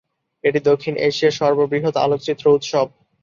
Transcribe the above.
এটি দক্ষিণ এশিয়ার সর্ববৃহৎ আলোকচিত্র উৎসব।